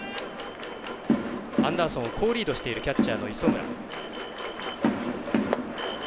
アンダーソンを好リードしているキャッチャーの磯村。